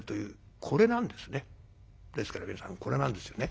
ですから皆さんこれなんですよね。